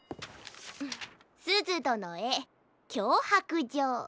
「すずどのへきょうはくじょう」。